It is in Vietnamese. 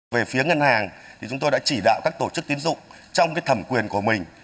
về phía ngân hàng thì chúng tôi đã chỉ đạo các tổ chức tiến dụng trong thẩm quyền của mình